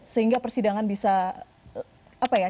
sehingga persidangan bisa apa ya